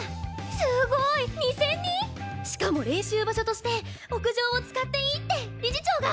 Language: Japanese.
すごい！２，０００人⁉しかも練習場所として屋上を使っていいって理事長が！